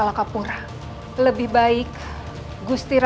ia mungkin lebih bagus